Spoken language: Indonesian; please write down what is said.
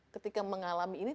ketika mengalami ini